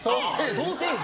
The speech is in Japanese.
ソーセージ？